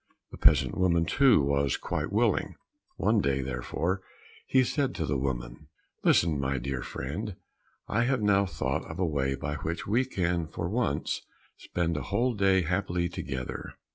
The peasant woman, too, was quite willing. One day, therefore, he said to the woman, "Listen, my dear friend, I have now thought of a way by which we can for once spend a whole day happily together.